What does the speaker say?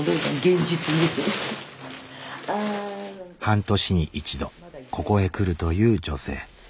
半年に１度ここへ来るという女性。